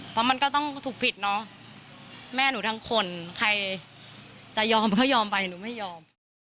เพราะมันก็ต้องถูกผิดเนาะแม่หนูทั้งคนใครจะยอมก็ยอมไปหนูไม่ยอม